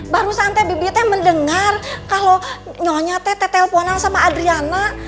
barusan bibi saya mendengar kalau nyonya telpon sama adriana